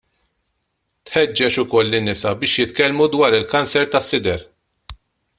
Tħeġġeġ ukoll lin-nisa biex jitkellmu dwar il-kanċer tas-sider.